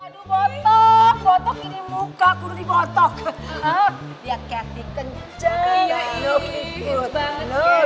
aduh botol botol ini muka kudu botol ya cathy kenceng